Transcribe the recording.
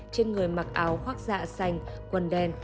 trên người mặc áo khoác dạ xanh quần đen